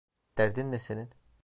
Derdin ne senin?